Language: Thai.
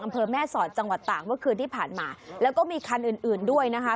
อำเภอแม่สอดจังหวัดต่างเมื่อคืนที่ผ่านมาแล้วก็มีคันอื่นอื่นด้วยนะคะ